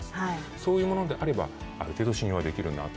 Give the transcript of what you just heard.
そういうものであれば、ある程度は信用できるなと。